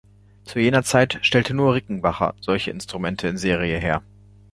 Zu jener Zeit stellte nur Rickenbacker solche Instrumente in Serie her.